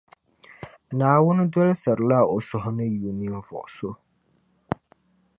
Naawuni dolsirila O ni yu ninvuɣu so.